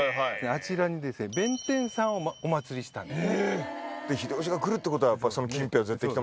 あちらに弁天さんをお祭りしたんです。